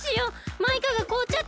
マイカがこおっちゃった！